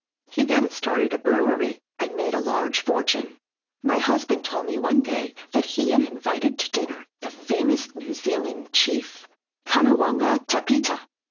He then started a brewery and made a large fortune. My husband told me one day that he had invited to dinner the famous New Zealand chief, Kanawanga Tapita.